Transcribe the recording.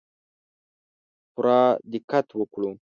پوره دقت وکړو.